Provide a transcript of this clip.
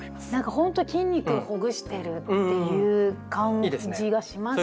ほんとに筋肉をほぐしてるっていう感じがしますね。